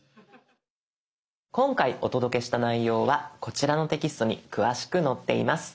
今回お届けした内容はこちらのテキストに詳しく載っています。